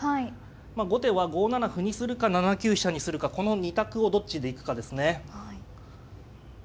まあ後手は５七歩にするか７九飛車にするかこの２択をどっちで行くかですね。